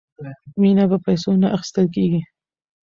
مینه په پیسو نه اخیستل کیږي.